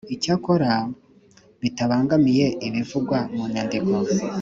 Icyakora bitabangamiye ibivugwa mu nyandiko